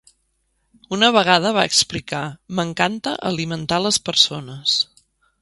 Una vegada va explicar "M'encanta alimentar les persones".